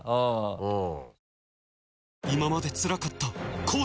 うん。